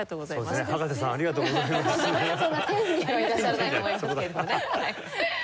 天にはいらっしゃらないと思いますけれどもね。